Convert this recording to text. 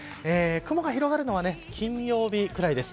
雲が広がるのは金曜日ぐらいです。